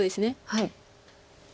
はい。